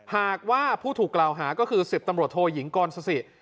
หากว่าผู้ถูกกล่าวหาก็คือ๑๐ตำรวจโทยิงกรสสิ